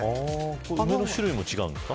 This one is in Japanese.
花の種類も違うんですか。